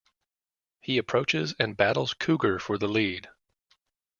He approaches and battles Cougar for the lead.